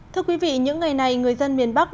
thưa quý vị những ngày này người dân miền bắc